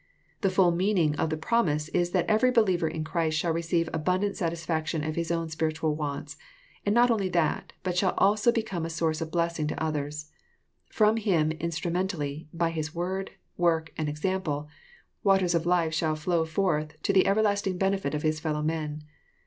The ftiU me&ning of the promise is that every believer in Christ shall receive abundant satisfac tion of his own spiritual wants ; and not only that, but shall also become a source of blessingto others. From him instru mentally, by his word, work,"aM~example, waters of life shall flow forth to the everlasting benefit of his fellow men.